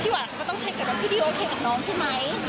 พี่หวันก็ต้องเช็คว่าพี่ดิวโอเคกับน้องใช่ไหม